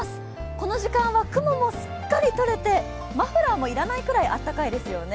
この時間は雲もすっかりとれてマフラーも要らないくらい暖かいですよね。